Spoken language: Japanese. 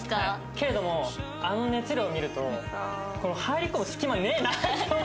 けれどもあの熱量見ると入り込む隙間ねえなって思って。